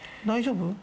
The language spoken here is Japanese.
大丈夫？